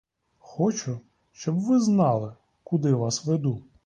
Хочу, щоб ви знали, куди вас веду.